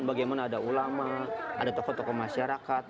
bagaimana ada ulama ada tokoh tokoh masyarakat